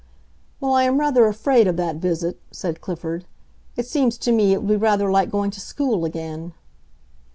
"Well, I am rather afraid of that visit," said Clifford. "It seems to me it will be rather like going to school again."